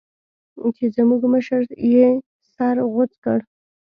چې زموږ مشر يې سر غوڅ کړ.